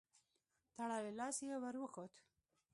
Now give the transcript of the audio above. تړلی لاس يې ور وښود.